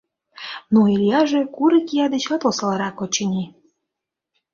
Но Ильяже курык ия дечат осалрак, очыни.